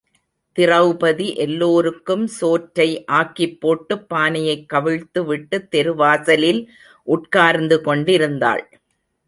திரெளபதி எல்லோருக்கும் சோற்றை ஆக்கிப் போட்டுப் பானையைக் கவிழ்த்து விட்டுத் தெருவாசலில் உட்கார்ந்து கொண்டிருந்தாள்.